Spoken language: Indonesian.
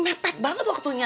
mepet banget waktunya